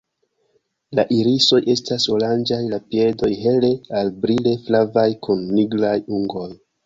La irisoj estas oranĝaj, la piedoj hele al brile flavaj kun nigraj ungoj.